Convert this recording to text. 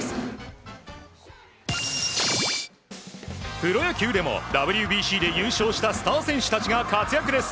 プロ野球でもＷＢＣで優勝したスター選手たちが活躍です。